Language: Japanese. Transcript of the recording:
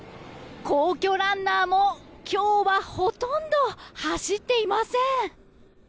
皇居ランナーも今日はほとんど走っていません。